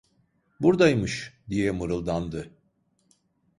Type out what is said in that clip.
Burdaymış! diye mırıldandı.